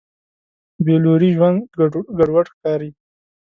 بېلوري ژوند ګډوډ ښکاري.